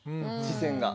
視線が。